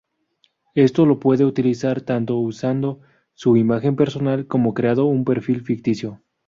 Esto lo puede realizar tanto usando su imagen personal como creando un perfil ficticio.